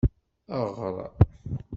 Eɣr.